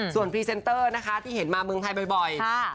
ส่วนพรีเซนเตอร์นะคะที่เห็นมาเมืองไทยบ่อย